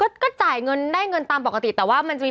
เอามาบนดินก็จะจบแล้วก็ใช่